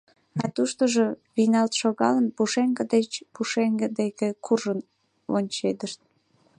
А туштыжо, вийналт шогалын, пушеҥге деч пушеҥге деке куржын вончедышт.